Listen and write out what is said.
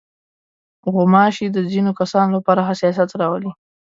غوماشې د ځينو کسانو لپاره حساسیت راولي.